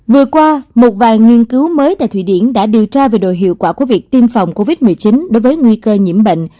vừa qua một vài nghiên cứu mới tại thụy điển đã điều tra về đội hiệu quả của việc tiêm phòng covid một mươi chín đối với nguy cơ nhiễm bệnh